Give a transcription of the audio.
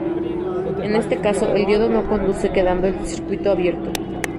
En este caso, el diodo no conduce, quedando el circuito abierto.